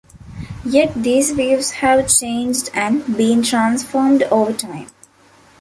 Yet these views have changed and been transformed over time.